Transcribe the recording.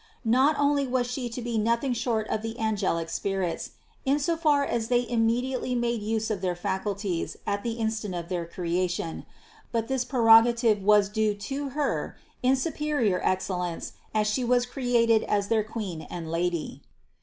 Not only was She to be nothing short of the angelic spirits in so far as they immediately made use of their faculties at the instant of their creation, but this pre rogative was due to Her in superior excellence as She was created as their Queen and Lady.